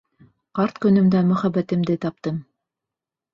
Ҡарт көнөмдә мөхәббәтемде таптым!